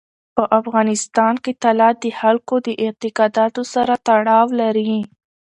په افغانستان کې طلا د خلکو د اعتقاداتو سره تړاو لري.